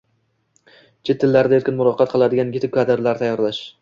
chet tillarida erkin muloqot qiladigan yetuk kadrlar tayyorlash